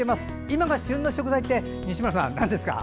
今が旬の食材って西村さんなんですか。